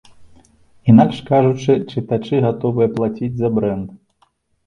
Інакш кажучы, чытачы гатовыя плаціць за брэнд.